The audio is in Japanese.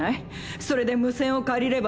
それで無線を借りれば。